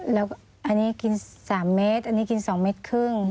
แล้วก็อันนี้กิน๓เมตรอันนี้กิน๒เมตรครึ่ง